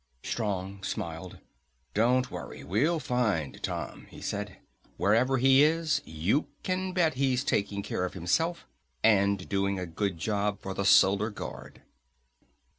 Strong smiled. "Don't worry, we'll find Tom," he said. "Wherever he is, you can bet he's taking care of himself and doing a good job for the Solar Guard."